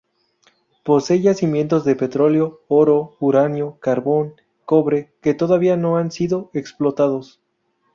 Posee yacimientos de petroleo, oro, uranio, carbón, cobre, que todavía no han sido explotados.